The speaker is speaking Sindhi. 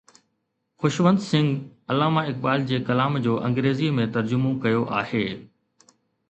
خشونت سنگهه علامه اقبال جي ڪلام جو انگريزيءَ ۾ ترجمو ڪيو آهي.